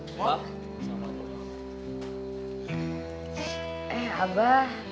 eh abah ada di sini ternyata